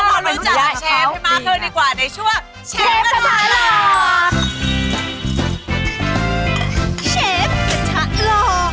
มาเถอะดีกว่าในช่วงเชฟกระทะหล่อ